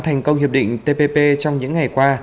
thành công hiệp định tpp trong những ngày qua